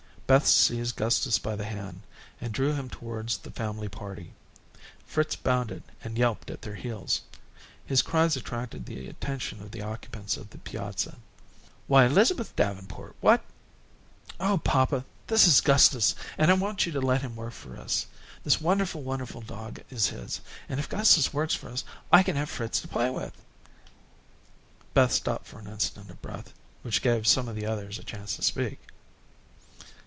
Beth seized Gustus by the hand and drew him towards the family party. Fritz bounded and yelped at their heels. His cries attracted the attention of the occupants of the piazza. "Why, Elizabeth Davenport, what " "Oh, papa, this is Gustus, and I want you to let him work for us. This wonderful, wonderful dog is his, and if Gustus works for us, I can have Fritz to play with." Beth stopped an instant for breath, which gave some of the others a chance to speak.